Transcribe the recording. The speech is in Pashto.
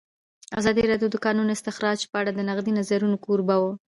ازادي راډیو د د کانونو استخراج په اړه د نقدي نظرونو کوربه وه.